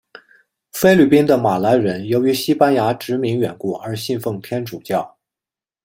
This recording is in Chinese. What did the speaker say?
菲律宾的马来人由于西班牙殖民缘故而信奉天主教。